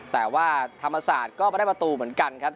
แต่ว่าธรรมศาสตร์ก็ไม่ได้ประตูเหมือนกันครับ